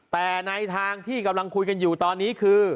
แต่ในทางที่กำลังคุยกันอยู่ตอนนี้คือ